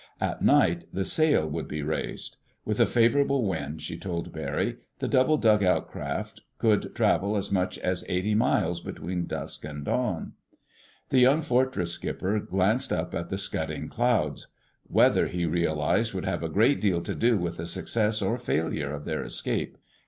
At night the sail would be raised. With a favorable wind, she told Barry, the double dugout craft could travel as much as eighty miles between dusk and dawn. The young Fortress skipper glanced up at the scudding clouds. Weather, he realized, would have a great deal to do with the success or failure of their escape.